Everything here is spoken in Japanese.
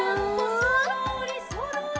「そろーりそろり」